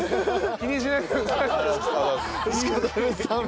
気にしないでください。